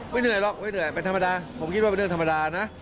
เหนื่อยหรอกไม่เหนื่อยเป็นธรรมดาผมคิดว่าเป็นเรื่องธรรมดานะ